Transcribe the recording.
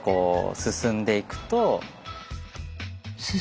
進んでいくと？